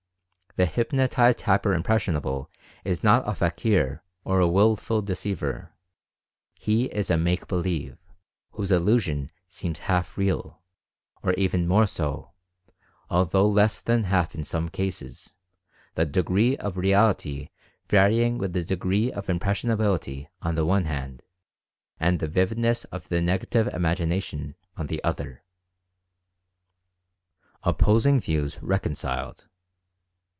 The hypnotized "hyper impressionable" is not a "fakir" or a wilful deceiver — he is a "make believe," whose illusion seems half real, or even more so, although less than half in some cases, the degree of reality varying with the degree of impressionability on the one hand and the vividness of the Negative Imagi nation on the other. OPPOSING VIEWS RECONCILED.